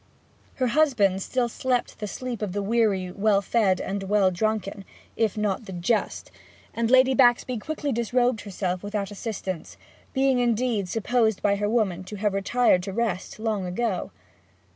Her husband still slept the sleep of the weary, well fed, and well drunken, if not of the just; and Lady Baxby quickly disrobed herself without assistance being, indeed, supposed by her woman to have retired to rest long ago.